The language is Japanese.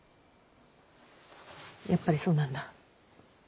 やっぱりそうなんだ。